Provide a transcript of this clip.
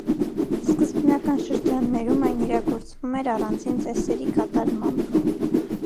Սկզբնական շրջաններում այն իրագործվում էր առանձին ծեսերի կատարմամբ։